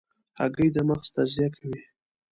هګۍ د مغز تغذیه کوي.